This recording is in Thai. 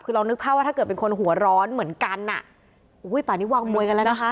คือเรานึกภาพว่าถ้าเกิดเป็นคนหัวร้อนเหมือนกันอ่ะอุ้ยป่านี้วางมวยกันแล้วนะคะ